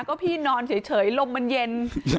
ก็พี่นอนเฉยลมมันเย็น